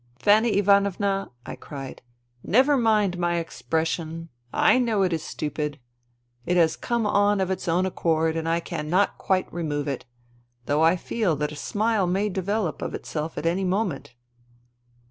" Fanny Ivanovna," I cried, " never mind my expression : I know it is stupid. It has come on of its own accord, and I cannot quite remove it, though I feel that a smile may develop of itself at any moment."